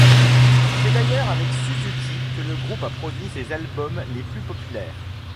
C'est d'ailleurs avec Suzuki que le groupe a produit ses albums les plus populaires.